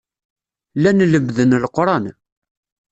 Llan lemmden Leqran.